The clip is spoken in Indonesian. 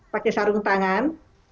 pakai sarung tangan